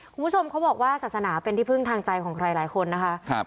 คุณผู้ชมเขาบอกว่าศาสนาเป็นที่พึ่งทางใจของใครหลายคนนะคะ